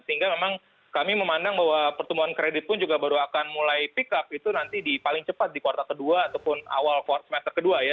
sehingga memang kami memandang bahwa pertumbuhan kredit pun juga baru akan mulai pick up itu nanti di paling cepat di kuartal kedua ataupun awal semester kedua ya